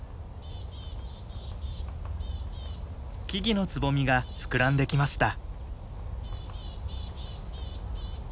木々のツボミが膨らんできました。